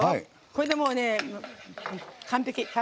これで、もうね、完璧。